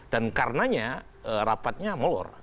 dan karenanya rapatnya molor